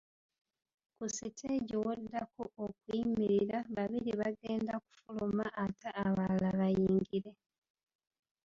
Ku siteegi w'oddako okuyimirira, babiri bagenda kufuluma ate abalala bayingire.